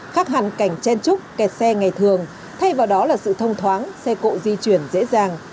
khác hẳn cảnh chen trúc kẹt xe ngày thường thay vào đó là sự thông thoáng xe cộ di chuyển dễ dàng